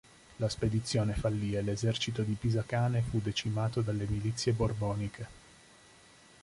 La spedizione fallì e l'esercito di Pisacane fu decimato dalle milizie borboniche.